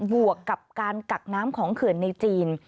วกกับการกักน้ำของเขื่อนในจีน